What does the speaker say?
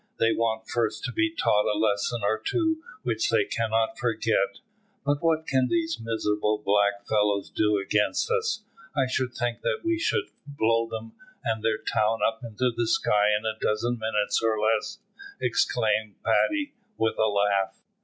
"They want first to be taught a lesson or two which they cannot forget." "But what can these miserable black fellows do against us? I should think that we should blow them and their town up into the sky in a dozen minutes or less," exclaimed Paddy, with a laugh.